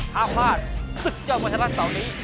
ถ้าพลาดสุดยอดบรรทรัฐเสาร์นี้